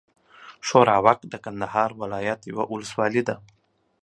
ښوراوک د کندهار ولايت یوه اولسوالي ده.